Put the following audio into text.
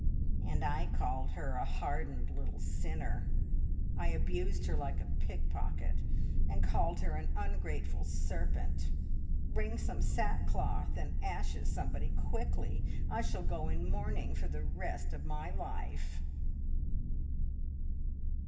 "And I called her a hardened little sinner! I abused her like a pickpocket, and called her an ungrateful serpent! Bring some sackcloth and ashes, somebody, quickly! I shall go in mourning for the rest of my life!"